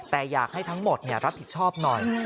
แต่อยากให้ทั้งหมดรับผิดชอบหน่อย